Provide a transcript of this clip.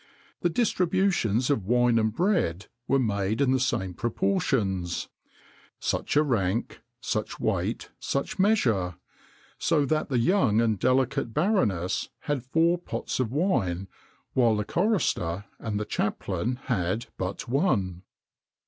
The distributions of wine and bread were made in the same proportions; such a rank, such weight, such measure; so that the young and delicate baroness had four pots of wine, while the chorister and the chaplain had but one.